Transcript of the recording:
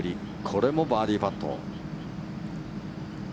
これもバーディーパット。